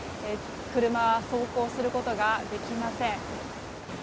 車は走行することができません。